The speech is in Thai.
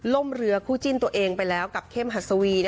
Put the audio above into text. ล่มเรือคู่จิ้นตัวเองไปแล้วกับเข้มหัสวี